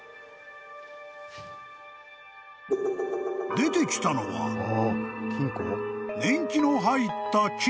［出てきたのは年季の入った金庫］